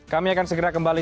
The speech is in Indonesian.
kami akan segera kembali